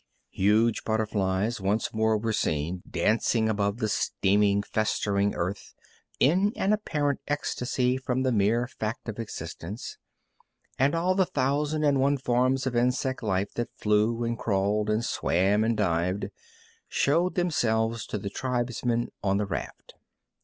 Huge butterflies once more were seen, dancing above the steaming, festering earth in an apparent ecstasy from the mere fact of existence, and all the thousand and one forms of insect life that flew and crawled, and swam and dived, showed themselves to the tribesmen on the raft.